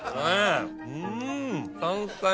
うん！